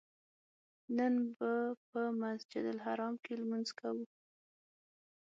نن به په مسجدالحرام کې لمونځ کوو.